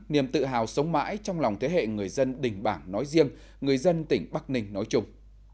niềm tự hào sống mãi trong lòng thế hệ người dân đình bảng nói riêng người dân tỉnh bắc ninh nói chung